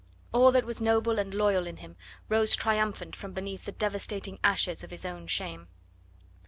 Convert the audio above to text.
All that was noble and loyal in him rose triumphant from beneath the devastating ashes of his own shame.